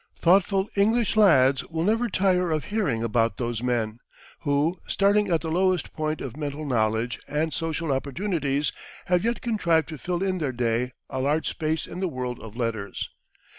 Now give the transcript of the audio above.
Thoughtful English lads will never tire of hearing about those men, who, starting at the lowest point of mental knowledge and social opportunities, have yet contrived to fill in their day a large space in the world of letters.